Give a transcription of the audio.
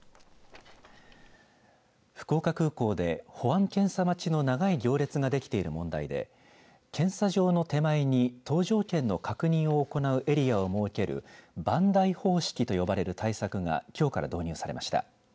福岡空港で保安検査待ちの長い行列ができている問題で検査場の手前に搭乗券の確認を行うエリアを設ける番台方式と呼ばれる対策がきょうから導入されました。